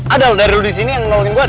ada lo dari lo disini yang nolongin gue ada